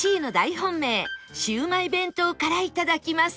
本命シウマイ弁当から頂きます